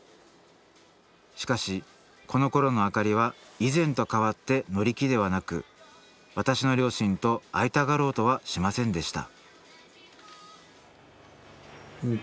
しかしこのころの明里は以前と変わって乗り気ではなく私の両親と会いたがろうとはしませんでした